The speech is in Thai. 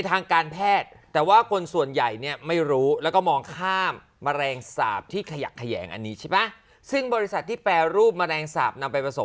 เพราะว่าเลี้ยงอยู่ในบ้านยังไม่โดนคูน